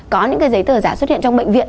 có những cái giấy tờ giả xuất hiện trong bệnh viện